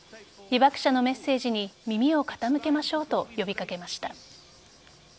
被爆者のメッセージに耳を傾けましょうと呼び掛けました。